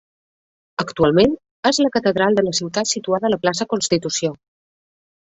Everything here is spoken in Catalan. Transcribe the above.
Actualment és la Catedral de la ciutat situada a la Plaça Constitució.